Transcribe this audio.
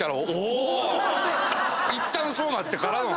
いったんそうなってからの話。